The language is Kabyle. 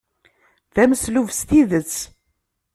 D ameslub s tidet.